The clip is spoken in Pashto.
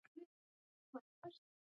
تنوع د افغانستان د اقتصاد برخه ده.